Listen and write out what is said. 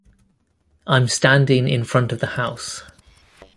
I'm standing in front of the house.